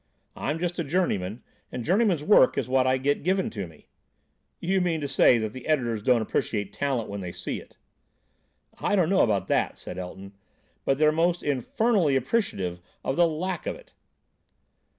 I'm just a journeyman, and journeyman's work is what I get given to me." "You mean to say that the editors don't appreciate talent when they see it." "I don't know about that," said Elton, "but they're most infernally appreciative of the lack of it."